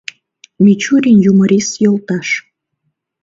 Мичурин, юморист йолташ.